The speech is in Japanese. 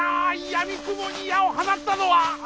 やみくもに矢を放ったのは！